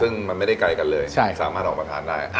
ซึ่งมันไม่ได้ไกลกันเลยสามารถออกมาทานได้